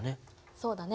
そうだね。